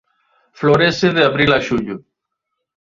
Florece de abril a xullo.